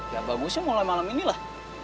ya bagusnya mulai malam ini lah